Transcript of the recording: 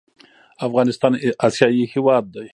افغانستان اسیایي هېواد دی.